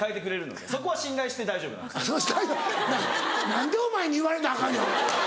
何でお前に言われなアカンねん！